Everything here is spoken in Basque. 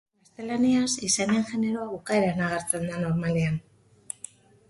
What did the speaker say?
Gaztelaniaz, izenen generoa bukaeran agertzen da normalean.